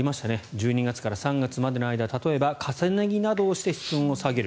１２月から３月までの間例えば重ね着などをして室温を下げる。